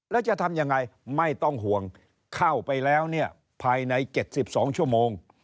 แล้วจะทำยังไงไม่ต้องห่วงเข้าไปแล้วเนี่ยภายใน๗๒ชั่วโมง